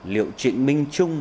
liệu trịnh minh trung